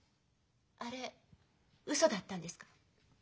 あれウソだったんですか？